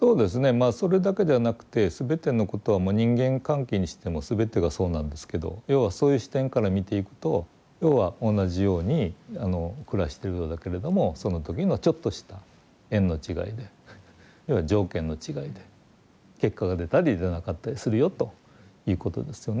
まあそれだけではなくて全てのことはもう人間関係にしても全てがそうなんですけど要はそういう視点から見ていくと要は同じように暮らしてるようだけれどもその時のちょっとした縁の違いで要は条件の違いで結果が出たり出なかったりするよということですよね。